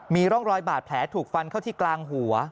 มีร่องรอยบาดแผลถูกฟันเข้าที่กลางหัว